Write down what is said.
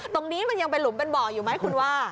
ตรงนี้มันยังเป็นหลุมเป็นบ่ออยู่ไหมคุณว่า